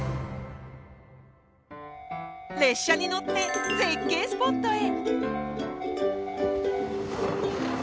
列車に乗って絶景スポットへ。